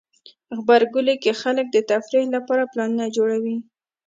غبرګولی کې خلک د تفریح پلانونه جوړوي.